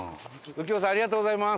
右京さんありがとうございます。